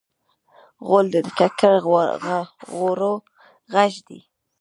غول د ککړ خوړو غږ دی.